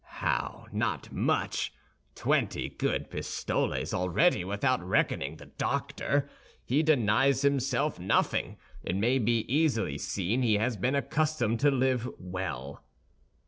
"How, not much! Twenty good pistoles, already, without reckoning the doctor. He denies himself nothing; it may easily be seen he has been accustomed to live well."